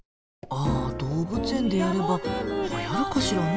あ動物園でやればはやるかしらね。